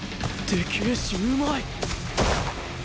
でけえしうまい！